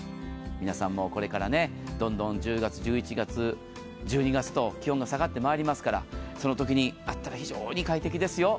皆さんもこれから１０月、１１月、１２月と気温が下がってまいりますから、そのときに温かいのは非常に快適ですよ。